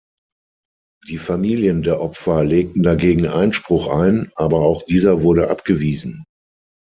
Die Familien der Opfer legten dagegen Einspruch ein, aber auch dieser wurde abgewiesen.